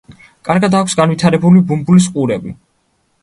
კარგად აქვს განვითარებული ბუმბულის „ყურები“.